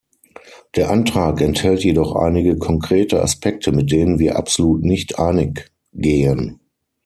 Der Antrag enthält jedoch einige konkrete Aspekte, mit denen wir absolut nicht einig gehen.